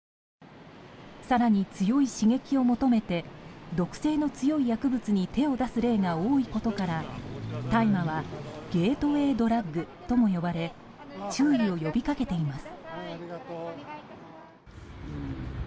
更に強い刺激を求めて毒性の強い薬物に手を出す例が多いことから大麻はゲートウェードラッグとも呼ばれ注意を呼び掛けています。